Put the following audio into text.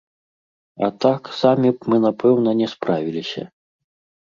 А так, самі б мы, напэўна, не справіліся.